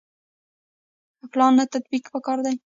پلان نه تطبیق پکار دی